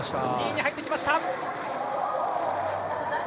２位に入ってきました。